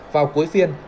vào cuối phiên